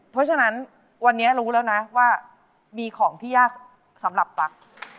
เพราะฉะนั้นวันนี้รู้แล้วนะว่ามีของที่ยากสำหรับปลั๊ก